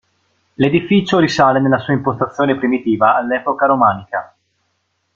L'edificio risale nella sua impostazione primitiva all'epoca romanica.